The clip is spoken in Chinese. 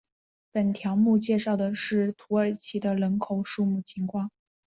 本条目介绍的是土耳其的人口数目情况。